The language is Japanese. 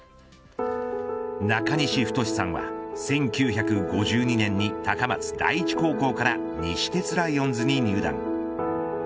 中西太さんは、１９５２年に高松第一高校から西鉄ライオンズに入団。